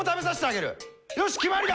よし決まりだ！